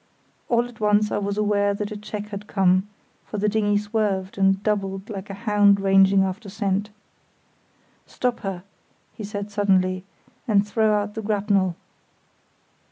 All at once I was aware that a check had come, for the dinghy swerved and doubled like a hound ranging after scent. "Stop her," he said, suddenly, "and throw out the grapnel."